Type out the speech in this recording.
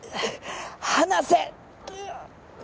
離せ！